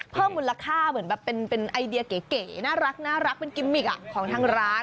เพิ่มมูลค่าเหมือนแบบเป็นไอเดียเก๋น่ารักเป็นกิมมิกของทางร้าน